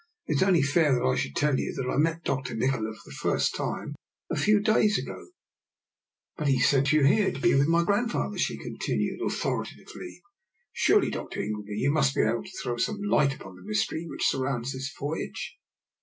It is only fair I should tell you that I met Dr. Nikola for the first time a few days ago. DR. NIKOLA'S EXPERIMENT. 91 " Biit he sent you here to be with my grandfather," she continued, authoritatively, ' Surely, Dr. Ingleby, you must be able to throw some light upon the mystery which surrounds this voyage?